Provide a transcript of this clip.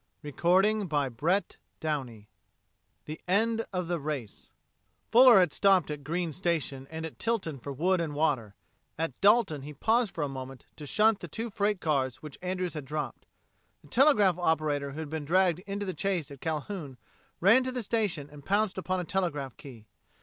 CHAPTER FOURTEEN THE END OF THE RACE Fuller had stopped at Green's Station and at Tilton for wood and water; at Dalton he paused for a moment to shunt the two freight cars which Andrews had dropped. The telegraph operator who had been dragged into the chase at Calhoun ran to the station and pounced upon a telegraph key.